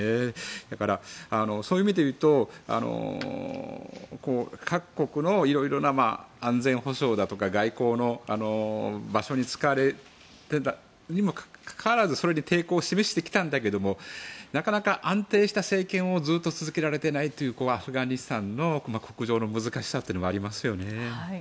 だから、そういう意味でいうと各国のいろいろな安全保障だとか外交の場所に使われていたにもかかわらずそれに抵抗を示してきたんだけれどもなかなか安定した政権を続けていられないというアフガニスタンの国情の難しさはありますよね。